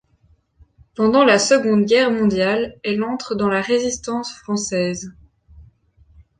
Pendant la Seconde Guerre mondiale, elle entre dans la Résistance française.